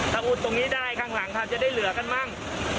ถ้าอุดตรงนี้ได้ข้างหลังครับจะได้เหลือกันมั่ง